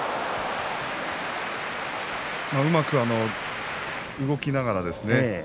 うまく動きながらですね